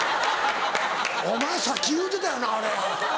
「お前さっき言うてたよなあれ。